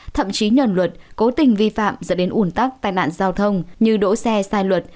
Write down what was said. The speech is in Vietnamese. thậm chí nhờn luật cố tình vi phạm dẫn đến ủn tắc tai nạn giao thông như đỗ xe sai luật